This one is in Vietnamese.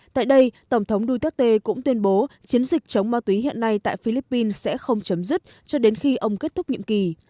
tại đây tổng thống duterte cũng tuyên bố chiến dịch chống ma túy hiện nay tại philippines sẽ không chấm dứt cho đến khi ông kết thúc nhiệm kỳ